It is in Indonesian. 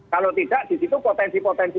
kalau tidak disitu potensi potensi